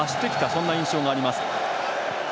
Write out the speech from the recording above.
そんな印象があります。